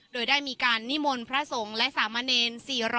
โดยได้มีการนิมนต์พระสงฆ์และสามเณร